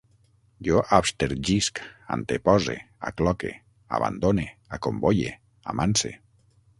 Jo abstergisc, antepose, acloque, abandone, acomboie, amanse